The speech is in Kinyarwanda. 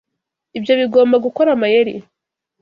Ibyo bigomba gukora amayeri.